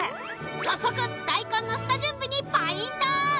早速大根の下準備にポイント！